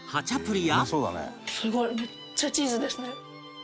めっちゃチーズですね。